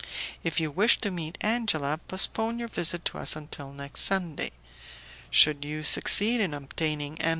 If you wish to meet Angela, postpone your visit to us until next Sunday. Should you succeed in obtaining M.